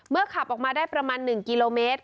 ขับออกมาได้ประมาณ๑กิโลเมตร